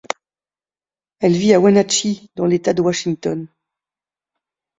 Elle vit à Wenatchee dans l’État de Washington.